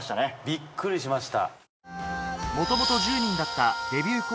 びっくりしました。